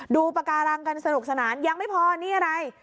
ดูปากการังกันสนุกสนานยังไม่พอนี่อะไร